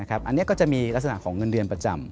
อันนี้ก็จะมีลักษณะของเงินเดือนประจำ